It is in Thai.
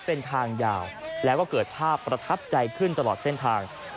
เป็นทางยาวแล้วก็เกิดภาพประทับใจขึ้นตลอดเส้นทาง